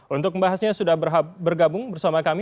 untuk membahasnya sudah bergabung bersama kami